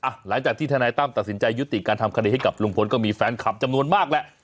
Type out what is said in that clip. หลังจากที่ทนายตั้มตัดสินใจยุติการทำคดีให้กับลุงพลก็มีแฟนคลับจำนวนมากแหละ